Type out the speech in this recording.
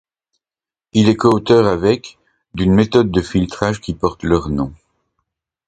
Il est coauteur avec d'une méthode de filtrage qui porte leurs noms.